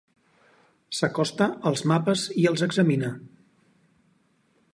S'acosta als mapes i els examina.